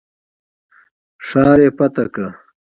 ښار یې فتح کړ.